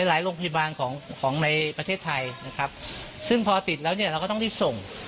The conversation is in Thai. ถูกบันหาเพื่อโรงพยาบาลจุมชน